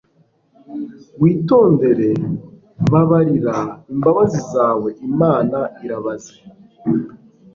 Witondere babarira Imbabazi zawe Imana irabaze